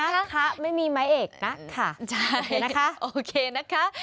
นักค่ะไม่มีไม้เอกนักค่ะโอเคนะคะ